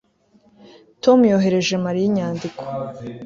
Tom yoherereje Mariya inyandiko